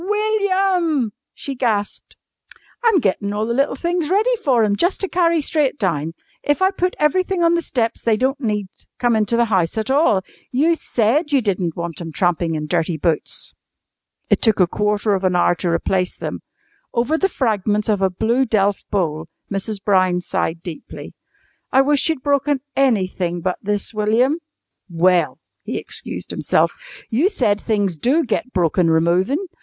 "WILLIAM!" she gasped. "I'm gettin' all the little things ready for 'em jus' to carry straight down. If I put everything on the steps they don't need come into the house at all. You said you didn't want 'em trampin' in dirty boots!" It took a quarter of an hour to replace them. Over the fragments of a blue delf bowl Mrs. Brown sighed deeply. "I wish you'd broken anything but this, William." "Well," he excused himself, "you said things do get broken removin'.